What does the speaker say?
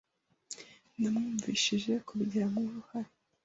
Namwumvishije kubigiramo uruhare.